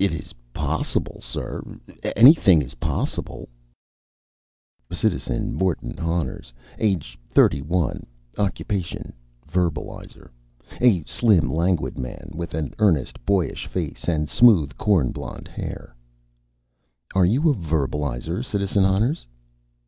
"It is possible, sir. Anything is possible." (_Citizen Moertin Honners, age 31, occupation verbalizer. A slim, languid man with an earnest, boyish face and smooth, corn blond hair._) "You are a verbalizer, Citizen Honners?"